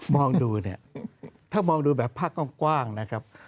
มองดูเนี่ยถ้ามองดูแบบภาคกว้างนะครับ